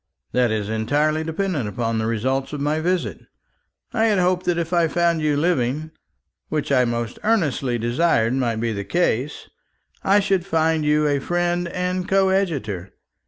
"That is entirely dependent upon the result of my visit. I had hoped that if I found you living, which I most earnestly desired might be the case, I should find in you a friend and coadjutor.